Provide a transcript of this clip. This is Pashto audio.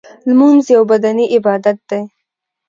لمونځ یو بدنی عبادت دی .